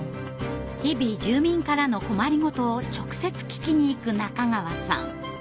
日々住民からの困りごとを直接聞きに行く中川さん。